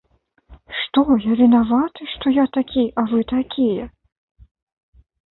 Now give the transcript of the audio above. Што я вінаваты, што я такі, а вы такія?